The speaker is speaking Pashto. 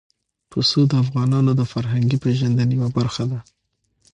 پسه د افغانانو د فرهنګي پیژندنې یوه برخه ده.